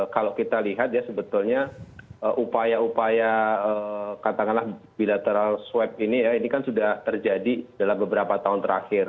kalau kita lihat ya sebetulnya upaya upaya katakanlah bilateral swab ini ya ini kan sudah terjadi dalam beberapa tahun terakhir